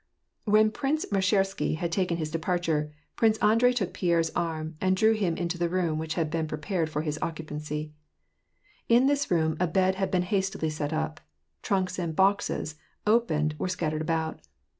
When Prince Meshchersky had taken his departure, Prince Andrei took Pierre's arm, and drew him into the room which had been prepared for his occupancy. In this room a bed had been hastily set up : tninks and boxes, opened, were scattered about.